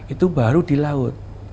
itu baru di laut